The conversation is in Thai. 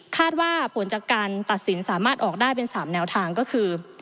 ว่าผลจากการตัดสินสามารถออกได้เป็น๓แนวทางก็คือ